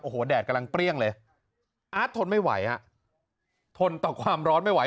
โอ้โหแดดกำลังเปรี้ยงเลยอาร์ตทนไม่ไหวฮะทนต่อความร้อนไม่ไหว